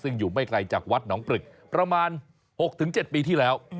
ซึ่งอยู่ไม่ไกลจากวัดหนองปรึกประมาณ๖๗ปีที่แล้ว